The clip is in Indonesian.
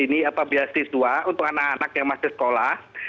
dan untuk para korban itu diberikan biasis dua untuk anak anak yang masih sekolah